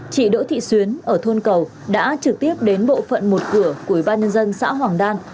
chị đỗ thị xuyến ở thôn cầu đã trực tiếp đến bộ phận một cửa của ủy ban nhân dân xã hoàng đan